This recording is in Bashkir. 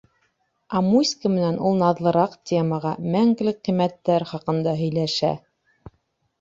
Ә Муська менән ул наҙлыраҡ темаға, мәңгелек ҡиммәттәр хаҡында «һөйләшә».